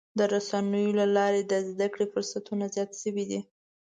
د رسنیو له لارې د زدهکړې فرصتونه زیات شوي دي.